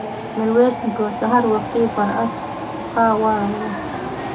ميرويس نيکه سهار وختي پر آس پښه واړوله.